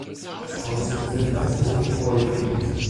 Das Haus wird als Wohngebäude genutzt.